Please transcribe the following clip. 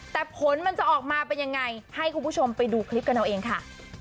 แต่ผลมันจะออกมาเป็นยังไงให้คุณผู้ชมไปดูคลิปกันเอาเองค่ะ